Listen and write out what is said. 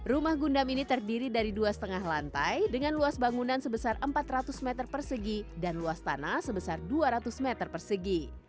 rumah gundam ini terdiri dari dua lima lantai dengan luas bangunan sebesar empat ratus meter persegi dan luas tanah sebesar dua ratus meter persegi